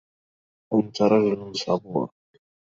أنت رجل صبور.